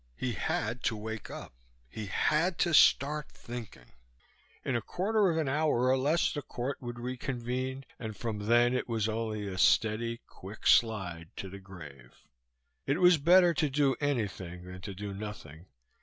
He had to wake up. He had to start thinking. In a quarter of an hour or less the court would reconvene, and from then it was only a steady, quick slide to the grave. It was better to do anything than to do nothing.